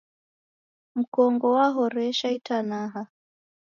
Mkongo wahoresha itanaha.